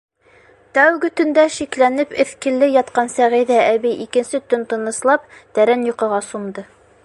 Тәүге төндә шикләнеп эҫкелле ятҡан Сәғиҙә әбей икенсе төн тыныслап тәрән йоҡоға сумды.